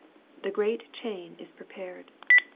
The great chain is prepared.